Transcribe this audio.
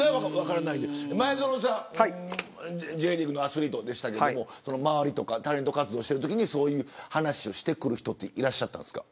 前園さん、Ｊリーグのアスリートでしたけど周りとかタレント活動しているときにそういう話してくる人いらっしゃったんですか。